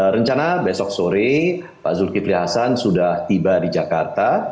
rencana besok sore pak zulkifli hasan sudah tiba di jakarta